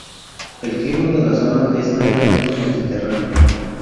El clima de la zona es netamente mediterráneo.